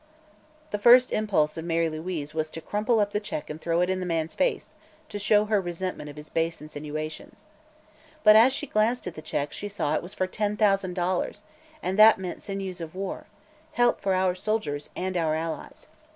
The first impulse of Mary Louise was to crumple up the check and throw it in the man's face, to show her resentment of his base insinuations. But as she glanced at the check she saw it was for ten thousand dollars, and that meant sinews of war help for our soldiers and our allies.